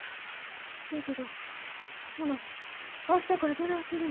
そやけどほな明日からどないするの？